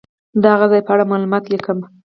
د هغه ځای په اړه معلومات لیکم.